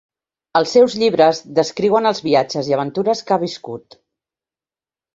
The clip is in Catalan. Els seus llibres descriuen els viatges i aventures que ha viscut.